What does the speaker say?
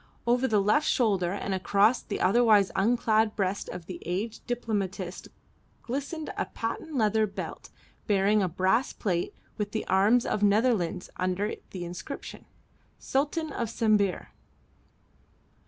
Over the left shoulder and across the otherwise unclad breast of the aged diplomatist glistened a patent leather belt bearing a brass plate with the arms of Netherlands under the inscription, "Sultan of Sambir."